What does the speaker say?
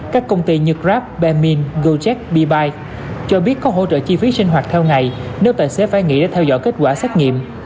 các công ty như grab bemine gojet bibile cho biết có hỗ trợ chi phí sinh hoạt theo ngày nếu tài xế phải nghỉ để theo dõi kết quả xét nghiệm